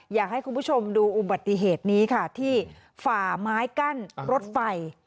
อยากให้คุณผู้ชมดูอุบัติเหตุนี้ค่ะที่ฝ่าไม้กั้นรถไฟ